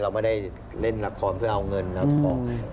เราไม่ได้เล่นละครเพื่อเอาเงินเอาทอง